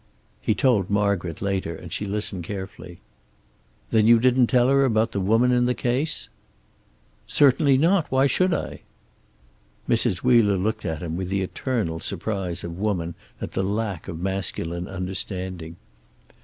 He told Margaret, later, and she listened carefully. "Then you didn't tell her about the woman in the case?" "Certainly not. Why should I?" Mrs. Wheeler looked at him, with the eternal surprise of woman at the lack of masculine understanding.